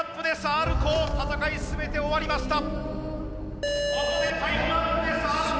Ｒコー戦い全て終わりました。